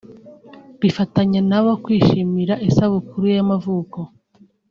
bifatanya nabo kwishimira isabukuru ye y’amavuko